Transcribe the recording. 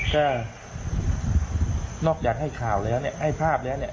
ก็นอกจากให้ข่าวแล้วเนี่ยให้ภาพแล้วเนี่ย